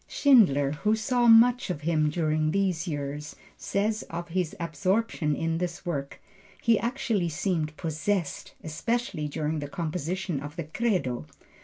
Schindler, who saw much of him during these years, says of his absorption in this work: "He actually seemed possessed, especially during the composition of the Credo."